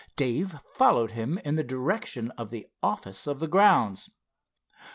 Dave followed him in the direction of the office of the grounds.